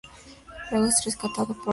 Luego es rescatado por otro helicóptero.